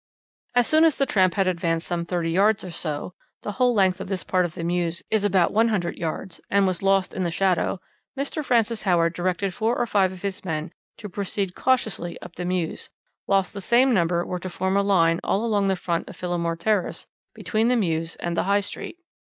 "As soon as the tramp had advanced some thirty yards or so (the whole length of this part of the mews is about one hundred yards) and was lost in the shadow, Mr. Francis Howard directed four or five of his men to proceed cautiously up the mews, whilst the same number were to form a line all along the front of Phillimore Terrace between the mews and the High Street.